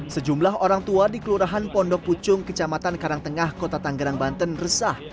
sejumlah orang tua di kelurahan pondok pucung kecamatan karangtengah kota tanggerang banten resah